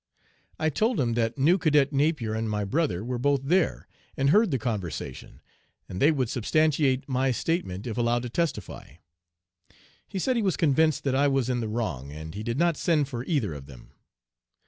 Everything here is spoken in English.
I told him that new Cadet Napier and my brother were both there and heard the conversation, and they would substantiate my statement if allowed to testify. He said he was convinced that I was in the wrong, and he did not send for either of them.